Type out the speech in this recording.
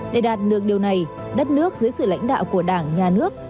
để đạt được điều này đất nước dưới sự lãnh đạo của đảng nhà nước